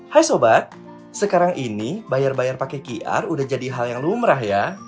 hai sobat sekarang ini bayar bayar pake qr udah jadi hal yang lumrah ya